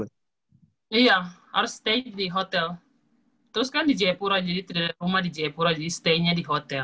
iya harus stay di hotel terus kan di jayapura jadi rumah di jayapura jadi stay nya di hotel